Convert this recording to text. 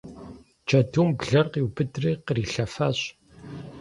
Джэдум блэр къиубыдри кърилъэфащ.